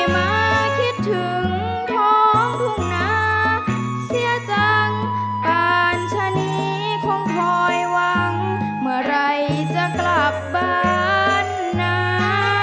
มาคิดถึงของทุ่งนาเสียจังการชะนีคงคอยหวังเมื่อไหร่จะกลับบ้านนะ